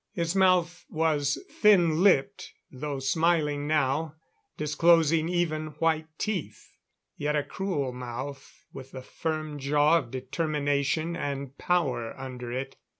His mouth was thin lipped, though smiling now, disclosing even, white teeth. Yet a cruel mouth, with the firm jaw of determination and power under it.